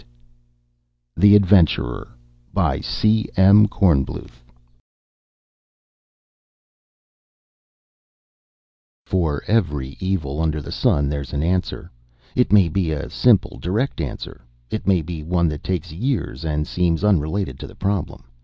net THE Adventurer BY C. M. KORNBLUTH ILLUSTRATED BY FREAS For every evil under the sun, there's an answer. It may be a simple, direct answer; it may be one that takes years, and seems unrelated to the problem.